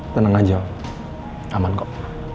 tenang aja aman kok